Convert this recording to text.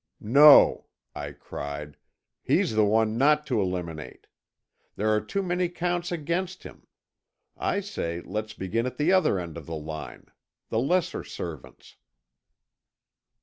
"No," I cried, "he's the one not to eliminate. There are too many counts against him. I say, let's begin at the other end of the line. The lesser servants."